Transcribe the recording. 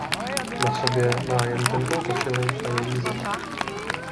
Na sobě má jen tenkou košili a je jí zima.